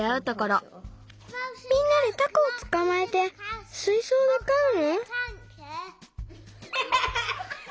みんなでタコをつかまえてすいそうでかうの？